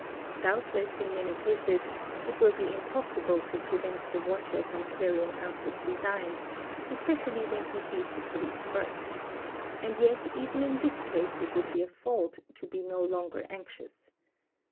Doubtless, in many cases, | it will be impossible to prevent the watcher from carrying out his design, "especially when he sees the police first; and yet, even in this case, it would be a fault to be no longer anxious.